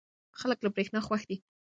خلک له برېښنا خوښ دي.